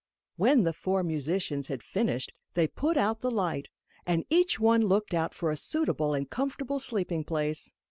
When the four musicians had finished, they put out the light, and each one looked out for a suitable and comfortable sleeping place.